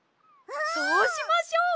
そうしましょう！